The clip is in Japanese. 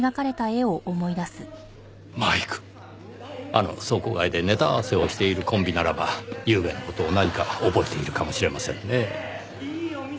あの倉庫街でネタ合わせをしているコンビならばゆうべの事を何か覚えているかもしれませんねぇ。